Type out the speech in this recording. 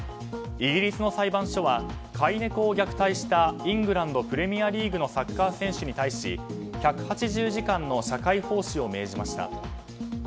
イギリスの裁判所は飼い猫を虐待したイングランド・プレミアリーグのサッカー選手に対し１８０時間の社会奉仕を命じました。